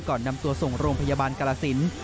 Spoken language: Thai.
ก่อนนำตัวส่งโรงพยาบาลกรสิน